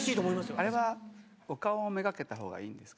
あれは、お顔を目がけたほうがいいですか？